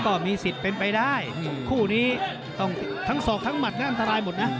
ก็มีสิทธิ์เป็นไปได้คู่นี้ต้องทั้งศอกทั้งหมัดนะอันตรายหมดนะ